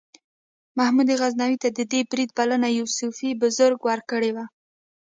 محمود غزنوي ته د دې برید بلنه یو صوفي بزرګ ورکړې وه.